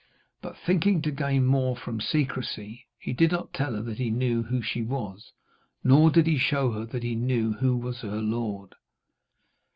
But, thinking to gain more from secrecy, he did not tell her that he knew who she was, nor did he show her that he knew who was her lord.